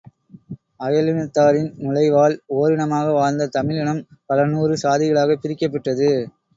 அயலினத்தாரின் நுழைவால் ஓரினமாக வாழ்ந்த தமிழினம் பலநூறு சாதிகளாகப் பிரிக்கப் பெற்றது.